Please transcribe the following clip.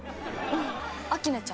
明菜ちゃん。